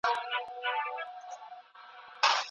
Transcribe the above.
په نړۍ کي لیکل سوي شیان ټول رښتیا نه دي.